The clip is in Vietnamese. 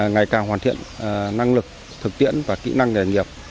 ngày càng hoàn thiện năng lực thực tiễn và kỹ năng nghề nghiệp